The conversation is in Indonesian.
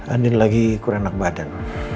andin lagi kurang enak badan